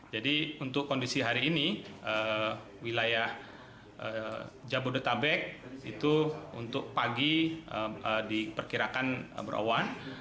jadi untuk kondisi hari ini wilayah jabodetabek itu untuk pagi diperkirakan berawan